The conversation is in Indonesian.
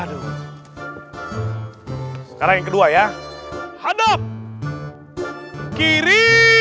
sekarang kedua ya hadap kiri